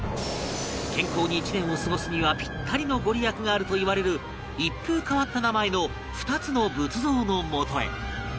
健康に一年を過ごすにはぴったりの御利益があるといわれる一風変わった名前の２つの仏像のもとへ